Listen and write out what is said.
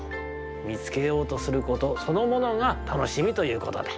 みつけようとすることそのものがたのしみということだ。